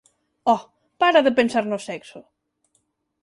Oh, para de pensar no sexo.